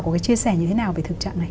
có cái chia sẻ như thế nào về thực trạng này